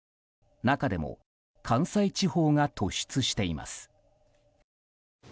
中でも関西地方が突出しています。